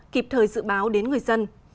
kịp thời dự báo đến người dân